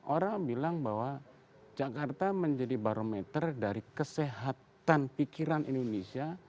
orang bilang bahwa jakarta menjadi barometer dari kesehatan pikiran indonesia